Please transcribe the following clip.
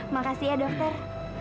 makasih ya dokter